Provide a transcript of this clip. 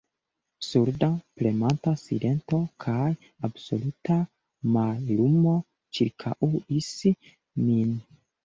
Surda, premanta silento kaj absoluta mallumo ĉirkaŭis min.